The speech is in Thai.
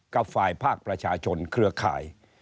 กับฝ่ายภาคประชาชนเครือข่าย